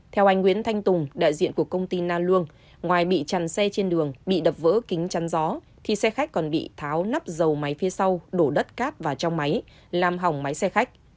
theo anh nguyễn thanh tùng đại diện của công ty na luông ngoài bị chặn xe trên đường bị đập vỡ kính chăn gió thì xe khách còn bị tháo nắp dầu máy phía sau đổ đất cát vào trong máy làm hỏng máy xe khách